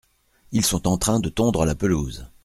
Ils sont en train de tondre la pelouse.